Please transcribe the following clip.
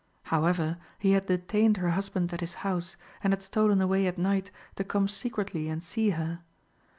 However, he had detained her husband at his house, and had stolen away at night to come secretly and see her.